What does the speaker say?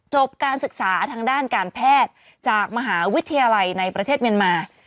การศึกษาทางด้านการแพทย์จากมหาวิทยาลัยในประเทศเมียนมา